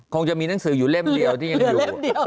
คงจะมีหนังสืออยู่เล่มเดียวที่ยังอยู่